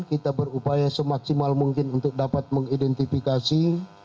kita berupaya semaksimal mungkin untuk dapat mengidentifikasi